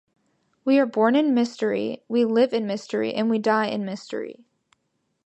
We are born in mystery, we live in mystery, and we die in mystery.